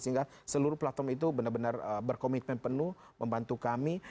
sehingga seluruh platform itu benar benar berkomitmen penuh membantu kami